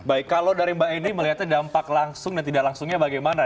baik kalau dari mbak eni melihatnya dampak langsung dan tidak langsungnya bagaimana